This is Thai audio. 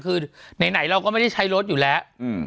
คือไหนเราก็ไม่ได้ใช้รถอยู่แล้ว